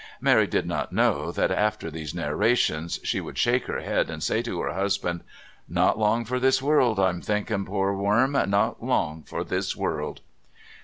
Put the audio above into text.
Mary did not know that, after these narrations, she would shake her head and say to her husband: "Not long for this world, I'm thinking, poor worm...not long for this world."